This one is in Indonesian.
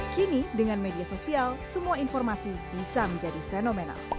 kini dengan media sosial semua informasi bisa menjadi fenomenal